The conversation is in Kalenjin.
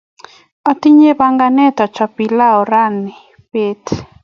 Atinye panganet achop pilau rani beet.